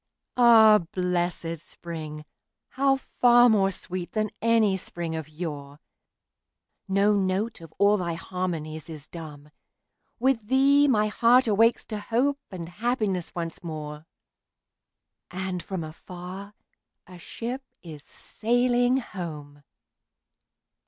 Ah, blessed spring!—how far more sweet than any spring of yore! No note of all thy harmonies is dumb; With thee my heart awakes to hope and happiness once more, And from afar a ship is sailing home!